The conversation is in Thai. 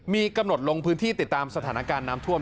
มีกำหนดลงพื้นที่ติดตามสถานการณ์น้ำท่วม